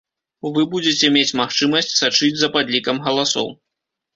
Вы будзеце мець магчымасць сачыць за падлікам галасоў.